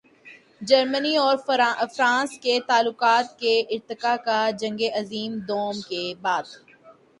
جرمنی اور فرانس کے تعلقات کے ارتقاء کا جنگ عظیم دوئم کے بعد۔